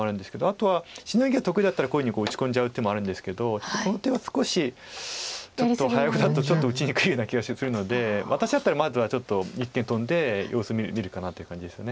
あとはシノギが得意だったらこういうふうに打ち込んじゃう手もあるんですけどこの手は少し早碁だとちょっと打ちにくいような気がするので私だったらまずはちょっと一間トンで様子見るかなっていう感じです。